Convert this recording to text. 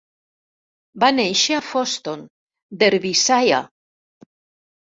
Va néixer a Foston, Derbyshire.